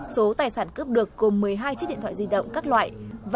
số tài sản cướp được gồm một mươi hai chiếc điện thoại di động các loại